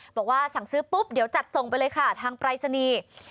บอกว่าสั่งซื้อปุ๊บเดี๋ยวจัดส่งไปเลยค่ะทางปรายศนีย์